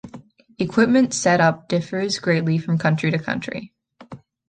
Equipment set up differs greatly from country to country.